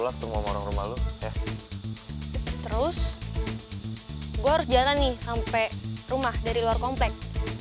langsung mau rumah lu ya terus gua harus jalan nih sampai rumah dari luar komplek